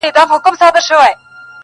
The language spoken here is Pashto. دوی به هم پر یوه بل سترګي را سرې کړي،